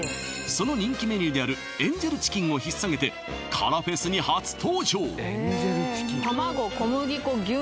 その人気メニューであるエンジェルチキンをひっさげてからフェスに初登場